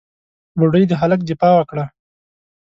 بوډۍ د هلک دفاع وکړه.